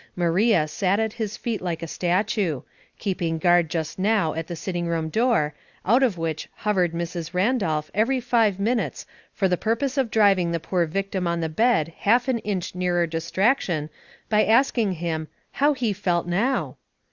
Maria sat at his feet like a statue, keeping guard just now at the sitting room door, out of which hovered Mrs. Randolph every five minutes for the purpose of driving the poor victim on the bed half an inch nearer distraction by asking him " How he felt now